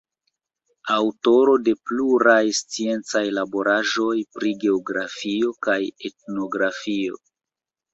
Aŭtoro de pluraj sciencaj laboraĵoj pri geografio kaj etnografio.